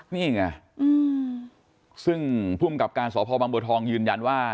นี่เองอ่ะซึ่งผู้อำกับการสพบทยืนยันว่า